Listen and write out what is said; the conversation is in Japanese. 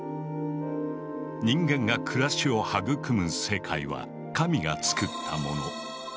人間が暮らしを育む世界は神がつくったもの。